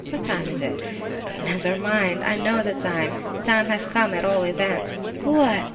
What time is it? Never mind, I know the time. The time has come, at all events. What!